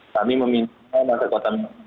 kami meminta masyarakat kota medan